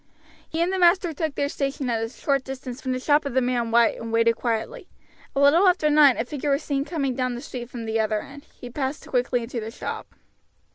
He and the master took their station at a short distance from the shop of the man White and waited quietly. A little after nine a figure was seen coming down the street from the other end. He passed quickly into the shop.